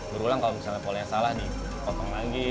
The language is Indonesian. berulang kalau misalnya boleh salah dipotong lagi